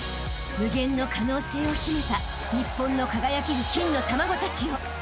［無限の可能性を秘めた日本の輝ける金の卵たちよ］